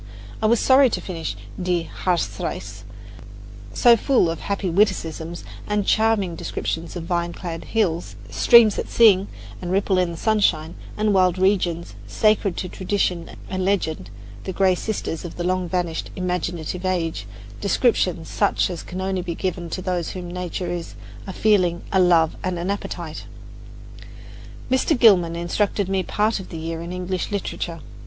I was sorry to finish "Die Harzreise," so full of happy witticisms and charming descriptions of vine clad hills, streams that sing and ripple in the sunshine, and wild regions, sacred to tradition and legend, the gray sisters of a long vanished, imaginative age descriptions such as can be given only by those to whom nature is "a feeling, a love and an appetite." Mr. Gilman instructed me part of the year in English literature.